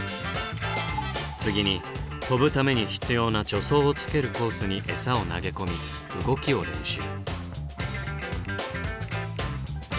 次に跳ぶために必要な助走をつけるコースにエサを投げ込み動きを練習。